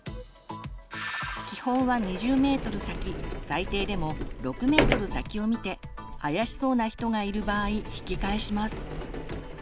基本は２０ｍ先最低でも６ｍ先を見て怪しそうな人がいる場合引き返します。